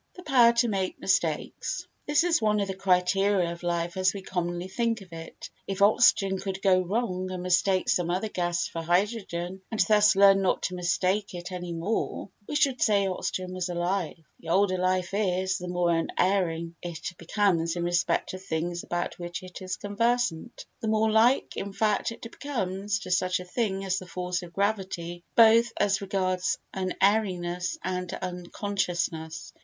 The Power to make Mistakes This is one of the criteria of life as we commonly think of it. If oxygen could go wrong and mistake some other gas for hydrogen and thus learn not to mistake it any more, we should say oxygen was alive. The older life is, the more unerring it becomes in respect of things about which it is conversant—the more like, in fact, it becomes to such a thing as the force of gravity, both as regards unerringness and unconsciousness.